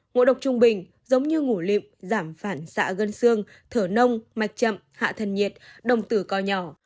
ngộ độc trung bình giống như ngủ lịm giảm phản xạ gân xương thở nông mạch chậm hạ thần nhiệt đồng tử co nhỏ